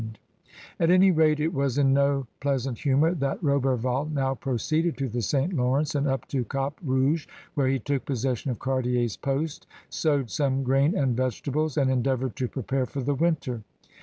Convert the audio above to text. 98 CRUSADERS OP NEW FRANCE At any rate it was in no pleasant humor that Roberval now proceeded to the St. Lawrence and up to Cap Rouge, where he took possession of Cartier's post, sowed some grain and vegetables, and endeavored to prepare for the winter.